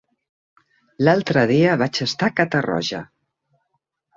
L'altre dia vaig estar a Catarroja.